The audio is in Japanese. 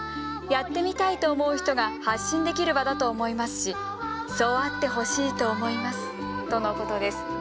やってみたいと思う人が発信できる場だと思いますしそうあってほしいと思います」とのことです。